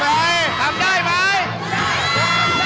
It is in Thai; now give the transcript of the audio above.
ทำได้ไหม